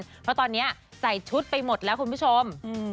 เพราะตอนนี้ใส่ชุดไปหมดแล้วคุณผู้ชม